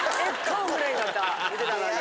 見てたのに。